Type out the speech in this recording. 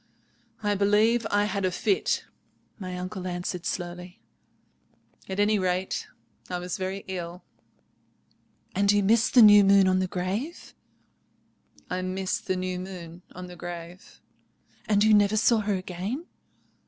"I believe I had a fit," my uncle answered slowly; "at any rate, I was very ill." "And you missed the new moon on the grave?" "I missed the new moon on the grave." "And you never saw her again?"